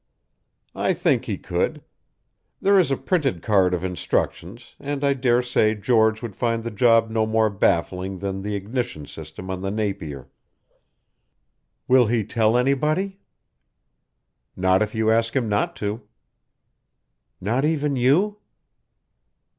"I think he could. There is a printed card of instructions, and I dare say George would find the job no more baffling than the ignition system on the Napier." "Will he tell anybody?" "Not if you ask him not to." "Not even you?"